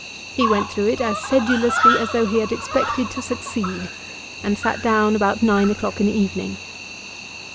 He went through it as sedulously as though he had expected to succeed, and sat down about nine o'clock in the evening.